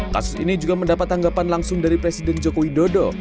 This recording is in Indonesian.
kasus ini juga mendapat tanggapan langsung dari presiden joko widodo